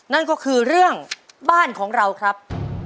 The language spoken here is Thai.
นั่นก็คือเรื่องบ้านของเราครับ